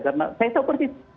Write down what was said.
karena saya tahu persis